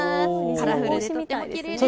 カラフルでとってもきれいですね。